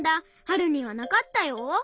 はるにはなかったよ。